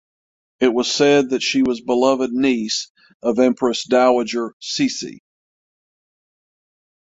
It was said that she was beloved niece of Empress Dowager Cixi.